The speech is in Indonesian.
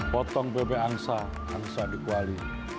potong bebek angsa dikuali